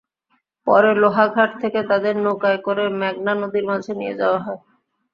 পরে লোহাঘাট থেকে তাঁদের নৌকায় করে মেঘনা নদীর মাঝে নিয়ে যাওয়া হয়।